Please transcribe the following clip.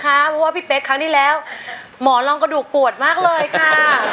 เพราะว่าพี่เป๊กครั้งที่แล้วหมอลองกระดูกปวดมากเลยค่ะ